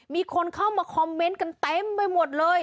มีคนเข้ามาคอมเมนต์กันเต็มไปหมดเลย